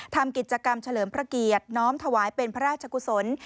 ทำกิจกรรมเฉลิมพระเกียรติน้อมถวายเป็นพระราชกุศล